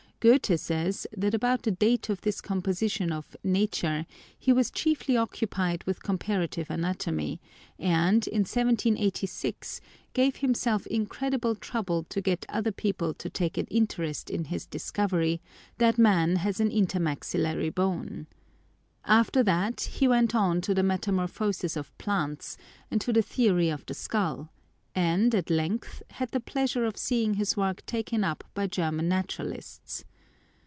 ” Goethe says, that about the date of this composition of “Nature” he was chiefly occupied with compara tive anatomy; and, in 1786, gave himself incredible trouble to get other people to take an interest in his discovery, that man has a intermaxillary bone. After that he went on to the metamorphosis of plants, and to the theory of the skull; and, at length, had the pleasure of seeing his work taken up by German naturalists.